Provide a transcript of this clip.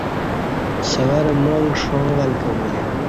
سورہ معانگ ݜاں ول کہ بولے